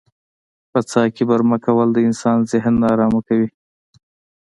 په څاه کې برمه کول د انسان ذهن نا ارامه کوي.